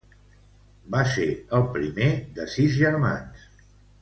Va ser el primer de sis germans.